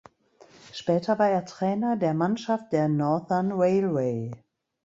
Später war er Trainer der Mannschaft der "Northern Railway".